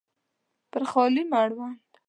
پر خالي مړوند